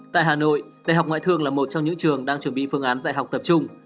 tại hà nội đại học ngoại thương là một trong những trường đang chuẩn bị phương án dạy học tập trung